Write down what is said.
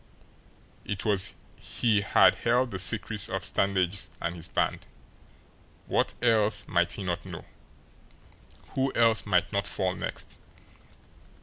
It he had held the secrets of Stangeist and his band, what else might he not know? Who else might not fall next?